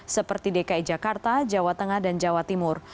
seperti dki jakarta jawa tengah dan jawa timur